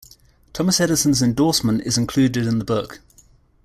Thomas Edison's endorsement is included in the book.